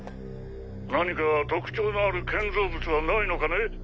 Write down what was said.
何か特徴のある建造物はないのかね？